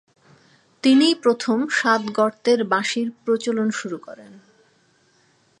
তিনিই প্রথম সাত গর্তের বাঁশির প্রচলন শুরু করেন।